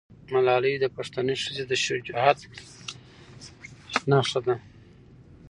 ملالۍ د پښتنې ښځې د شجاعت نښه ده.